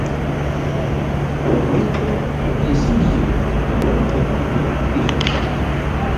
O reto esixe unha boa preparación física.